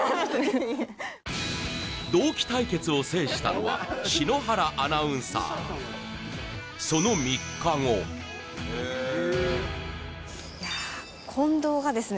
同期対決を制したのは篠原アナウンサーその３日後いや近藤がですね